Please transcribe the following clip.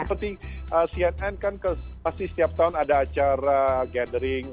seperti cnn kan pasti setiap tahun ada acara gathering